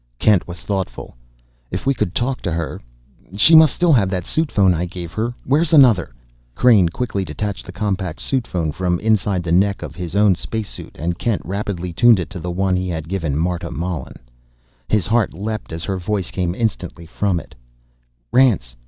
Kent was thoughtful. "If we could talk to her she must still have that suit phone I gave her. Where's another?" Crain quickly detached the compact suit phone from inside the neck of his own space suit, and Kent rapidly tuned it to the one he had given Marta Mallen. His heart leapt as her voice came instantly from it: "Rance!